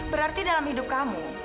berarti dalam hidup kamu